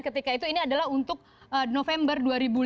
ketika itu ini adalah untuk november dua ribu lima belas